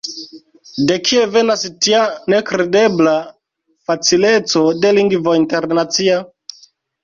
De kie venas tia nekredebla facileco de lingvo internacia?